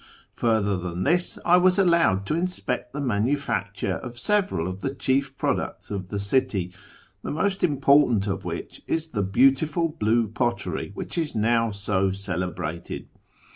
Further than this, I was allowed to inspect the manufacture of several of the chief products of the city, the most important of which is the beautiful blue pottery which is now so celebrated.